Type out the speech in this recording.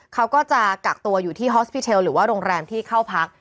เขาก็จะกักตัวอยู่ที่ฮอสพิเทลหรือว่าโรงแรมที่เข้าพัก